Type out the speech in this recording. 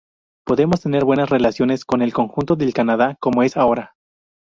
Podemos tener buenas relaciones con el conjunto del Canadá como es ahora.